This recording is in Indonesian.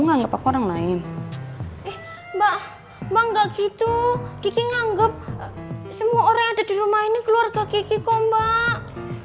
nganggep orang lain mbak mbak gitu kiki nganggep semua orang ada di rumah ini keluarga kiki kompak